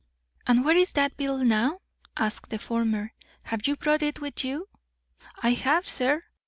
"And where is that bill now?" asked the former. "Have you brought it with you?" "I have, sir.